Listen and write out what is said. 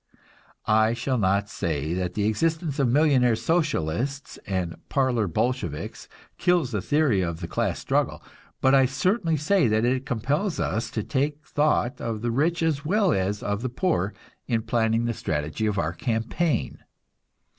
I shall not say that the existence of millionaire Socialists and parlor Bolsheviks kills the theory of the class struggle, but I certainly say it compels us to take thought of the rich as well as of the poor in planning the strategy of our campaign.